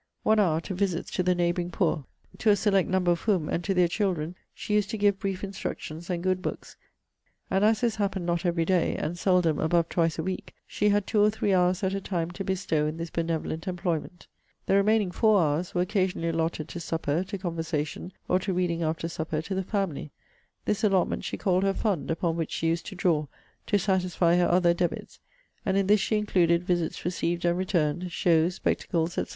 ONE hour to visits to the neighbouring poor; to a select number of whom, and to their children, she used to give brief instructions, and good books; and as this happened not every day, and seldom above twice a week, she had two or three hours at a time to bestow in this benevolent employment. The remaining FOUR hours were occasionally allotted to supper, to conversation, or to reading after supper to the family. This allotment she called her fund, upon which she used to draw, to satisfy her other debits; and in this she included visits received and returned, shows, spectacles, &c.